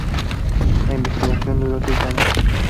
La investigación duró seis años.